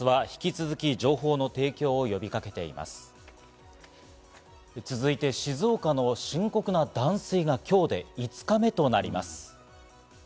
続いて、静岡の深刻な断水が今日で５日目となります。